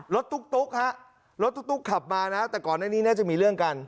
ตุ๊กฮะรถตุ๊กขับมานะแต่ก่อนหน้านี้น่าจะมีเรื่องกัน